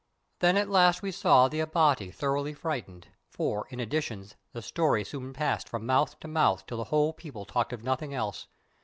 Then at last we saw the Abati thoroughly frightened, for, with additions, the story soon passed from mouth to mouth till the whole people talked of nothing else.